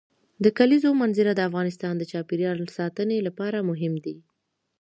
د کلیزو منظره د افغانستان د چاپیریال ساتنې لپاره مهم دي.